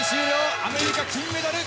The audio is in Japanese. アメリカ金メダル。